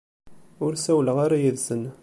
Ur ssawleɣ ara yid-sen.